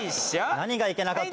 何がいけなかったかな？